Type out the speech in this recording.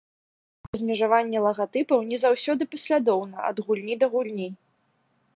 Гэта размежаванне лагатыпаў не заўсёды паслядоўна ад гульні да гульні.